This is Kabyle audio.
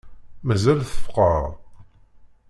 Mazal tfeqεeḍ?